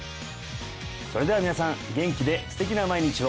それでは皆さん元気で素敵な毎日を！